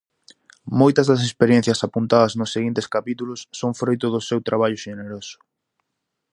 Moitas das experiencias apuntadas nos seguintes capítulos son froito do seu traballo xeneroso.